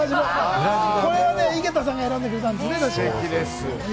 これは、井桁さんが選んでくれたんです。